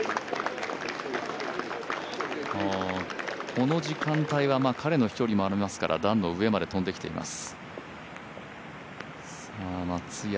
この時間帯は、彼の飛距離もありますから段の上まで飛んできています。